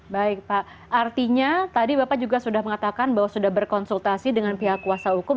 baik pak artinya tadi bapak juga sudah mengatakan bahwa sudah berkonsultasi dengan pihak kuasa hukum